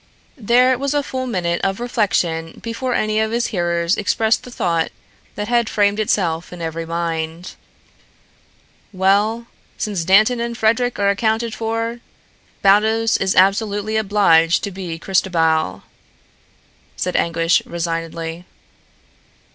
There was a full minute of reflection before any of his hearers expressed the thought that had framed itself in every mind. "Well, since Dantan and Frederic are accounted for, Baldos is absolutely obliged to be Christobal," said Anguish resignedly.